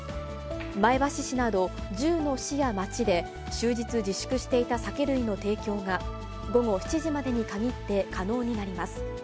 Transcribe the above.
前橋市など、１０の市や町で、終日自粛していた酒類の提供が、午後７時までに限って可能になります。